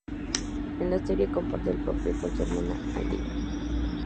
En la serie comparte el papel con su hermana Alia.